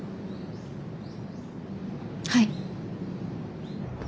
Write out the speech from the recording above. はい。